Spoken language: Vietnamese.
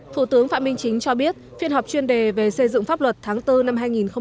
thủ tướng phạm minh chính cho biết phiên họp chuyên đề về xây dựng pháp luật tháng bốn năm hai nghìn hai mươi